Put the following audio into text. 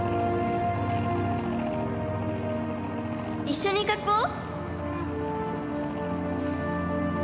一緒に描こう。